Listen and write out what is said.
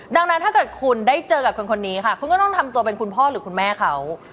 ดังนั้นถ้าเกิดคุณได้เจอกับคนนี้ค่ะคุณก็ต้องทำตัวเป็นคุณพ่อหรือคุณแม่เขา